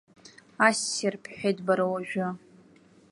Ассир бҳәеит бара уажәы!